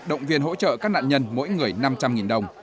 động viên hỗ trợ các nạn nhân mỗi người năm trăm linh đồng